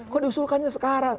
kok disuruhkannya sekarang